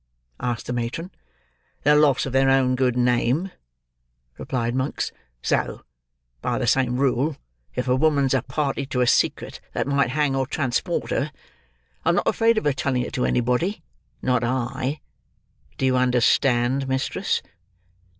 asked the matron. "The loss of their own good name," replied Monks. "So, by the same rule, if a woman's a party to a secret that might hang or transport her, I'm not afraid of her telling it to anybody; not I! Do you understand, mistress?"